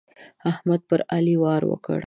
احمد پر علي وار وکړ.